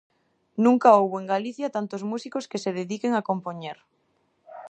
Nunca houbo en Galicia tantos músicos que se dediquen a compoñer.